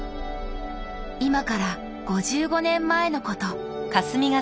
今から５５年前のこと。